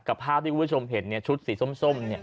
กับภาพที่คุณผู้ชมเห็นเนี่ยชุดสีส้มเนี่ย